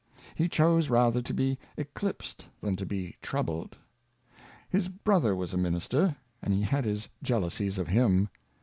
He chose rather to be eclipsed than to be troubled. His Brother was a Minister, and he had his Jealousies of him.